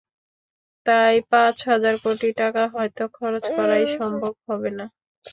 তাই পাঁচ হাজার কোটি টাকা হয়তো খরচ করাই সম্ভব হবে না।